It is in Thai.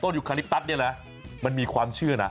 ต้นยุคาลิปตัมันมีความเชื่อนะ